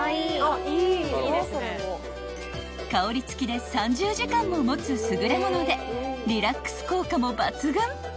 ［香り付きで３０時間も持つ優れものでリラックス効果も抜群］